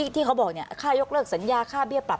ที่เขาบอกค่ายกเลิกสัญญาค่าเบี้ยปรับ